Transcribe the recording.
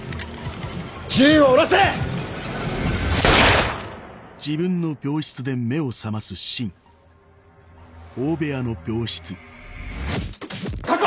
銃を下ろせ！確保！